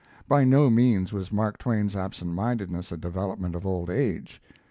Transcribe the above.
By no means was Mark Twain's absent mindedness a development of old age.